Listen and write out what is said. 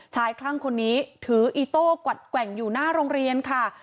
คลั่งคนนี้ถืออีโต้กวัดแกว่งอยู่หน้าโรงเรียนค่ะ